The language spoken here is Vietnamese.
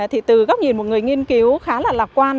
thì từ góc nhìn một người nghiên cứu khá là lạc quan